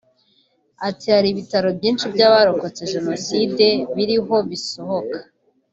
Ati “Hari ibitabo byinshi by’abarokotse Jenoside biriho bisohoka